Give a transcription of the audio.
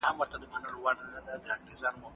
کمپيوټر ږغ بېرته راولي.